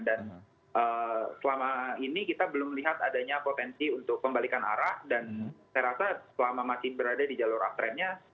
dan selama ini kita belum melihat adanya potensi untuk pembalikan arah dan saya rasa selama masih berada di jalur uptrendnya